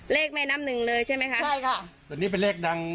แม่น้ำหนึ่งเลยใช่ไหมคะใช่ค่ะตอนนี้เป็นเลขดัง